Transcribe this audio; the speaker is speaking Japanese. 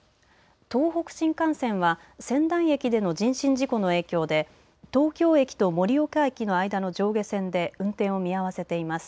東北新幹線は仙台駅での人身事故の影響で東京駅と盛岡駅の間の上下線で運転を見合わせています。